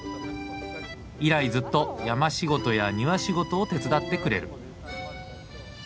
以来ずっと山仕事や庭仕事を手伝ってくれる。